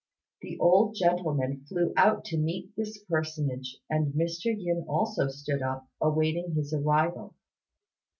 The old gentleman flew out to meet this personage, and Mr. Yin also stood up, awaiting his arrival.